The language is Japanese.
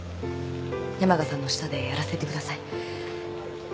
山賀さんの下でやらせてください。